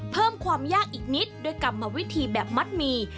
เพิ่มความยากอีกนิดด้วยกรรมวิธีแบบมัดหมี่